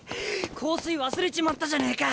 香水忘れちまったじゃねえか！